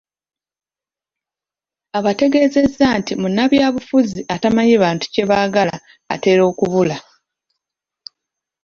Abategeezeza nti munnabyabufuzi atamanyi bantu kye baagala atera okubula.